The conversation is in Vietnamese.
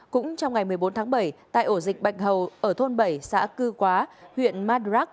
cũng trong ngày một mươi bốn tháng bảy tại ổ dịch bạch hầu ở thôn bảy xã cư quá huyện madrak